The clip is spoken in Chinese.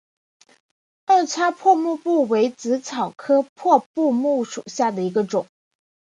二叉破布木为紫草科破布木属下的一个种。